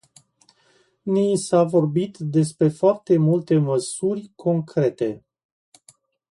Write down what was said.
Ni s-a vorbit despre foarte multe măsuri concrete.